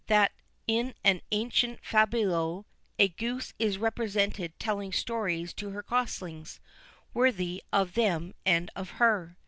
That in an ancient fabliau, "a goose is represented telling stories to her goslings, worthy of them and of her."